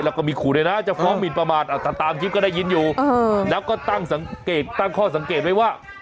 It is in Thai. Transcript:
แล้วก็มีขูดเลยนะจะฟ้องหมิดประมาณแต่ตามคลิปก็ได้ยินอยู่แล้วก็ตั้งข้อสังเกตด้วยว่า